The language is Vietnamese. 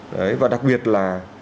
đấy và đặc biệt là